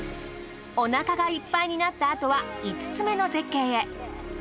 おなかがいっぱいになったあとは５つ目の絶景へ。